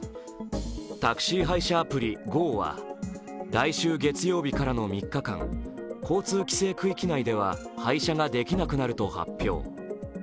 タクシー配車アプリ「ＧＯ」は来週月曜日からの３日間、交通規制区域内では配車ができなくなると発表。